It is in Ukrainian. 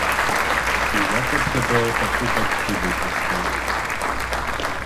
І як от тебе отаку батьки випустили?